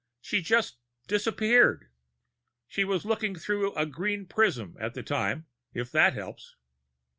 She just disappeared. She was looking through a green prism at the time, if that helps."